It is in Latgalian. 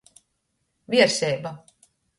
Vierseiba.